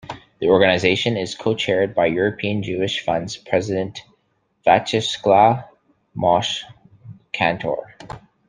The organization is co-chaired by European Jewish Fund President Viatcheslav Moshe Kantor.